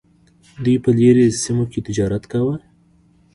دوی په لرې سیمو کې تجارت کاوه